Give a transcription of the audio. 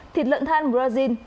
thịt lợn than brazil